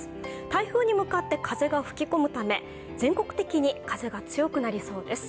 台風に向かって風が吹き込むため全国的に風が強くなりそうです。